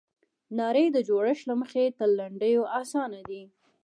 نارې د جوړښت له مخې تر لنډیو اسانه دي.